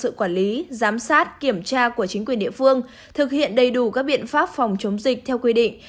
sự quản lý giám sát kiểm tra của chính quyền địa phương thực hiện đầy đủ các biện pháp phòng chống dịch theo quy định